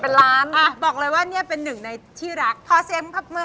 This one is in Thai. ผ่านมาแถววิพาก็เลยแวะมาหน่อย